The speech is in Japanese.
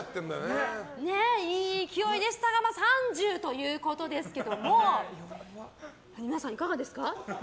いい勢いでしたが３０ということですけども皆さん、いかがですか。